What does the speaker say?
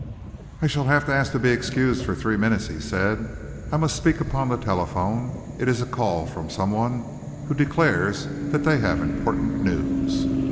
"I shall have to ask to be excused for three minutes," he said. "I must speak upon the telephone. It is a call from some one who declares that they have important news."